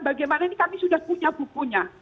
bagaimana ini kami sudah punya bukunya